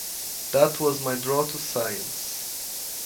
That was my draw to science.